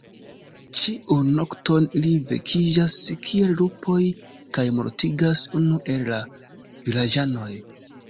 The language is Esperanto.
Ĉiun nokton ili vekiĝas kiel lupoj kaj mortigas unu el la vilaĝanoj.